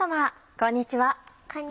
こんにちは。